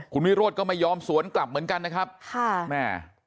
คุณวิโรธก็ไม่ยอมสวนกลับเหมือนกันนะครับค่ะแม่